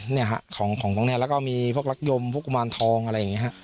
เนี่ยฮะของตรงนี้แล้วก็มีพวกรักยมพวกกุมารทองอะไรอย่างนี้ฮะ